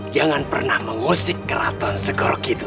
jangan pernah mengusik keraton segoro gitu